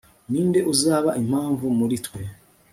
Ninde usaba impamvu muri twe